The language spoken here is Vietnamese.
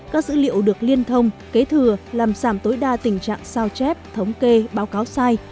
các dữ liệu được liên thông kế thừa làm giảm tối đa tình trạng sao chép thống kê báo cáo sai